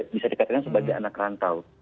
bisa dikatakan sebagai anak rantau